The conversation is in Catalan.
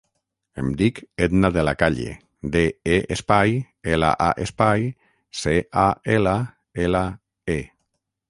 Em dic Etna De La Calle: de, e, espai, ela, a, espai, ce, a, ela, ela, e.